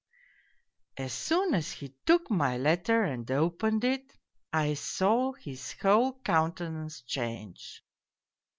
" As soon as he took my letter and opened it, I saw his whole countenance change.